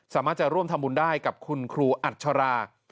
สามารถจะร่วมทำบุญได้กับคุณครูอัชรา